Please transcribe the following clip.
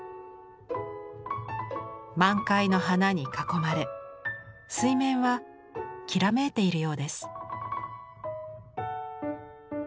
満開の花に囲まれ水面はきらめいているようです。